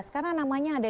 karena namanya ada di dpt